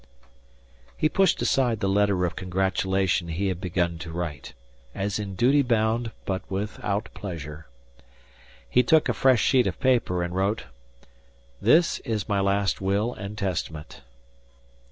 He pushed aside the letter of congratulation he had begun to write, as in duty bound but without pleasure. He took a fresh sheet of paper and wrote: "This is my last will and testament."